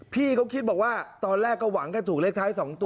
พี่เขาคิดบอกว่าตอนแรกก็หวังแค่ถูกเลขท้าย๒ตัว